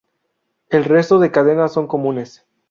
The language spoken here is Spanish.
El resto de cadenas son comunes.